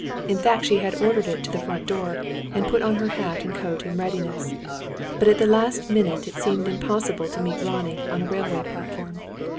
In fact she had ordered it to the front door, and put on her hat and coat in readiness. But at the last minute it had seemed impossible to meet Ronnie on a railway platform.